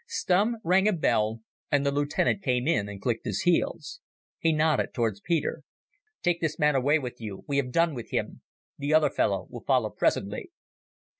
Stumm rang a bell and the lieutenant came in and clicked his heels. He nodded towards Peter. "Take this man away with you. We have done with him. The other fellow will follow presently."